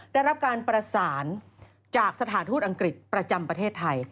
ได้รับการประสานจากสถานทูตอังกฤษประจำประเทศไทย